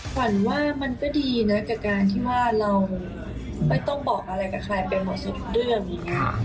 ขวัญว่ามันก็ดีนะกับการที่ว่าเราไม่ต้องบอกอะไรกับใครไปเหมาะสนุกด้วยอย่างงี้